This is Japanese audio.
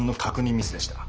ミスでした。